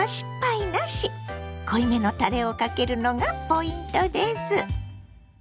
濃いめのたれをかけるのがポイントです。